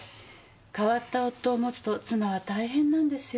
変わった夫を持つと妻は大変なんですよね。